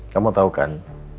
kamu tahu kan